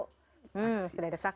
hmm sudah ada saksi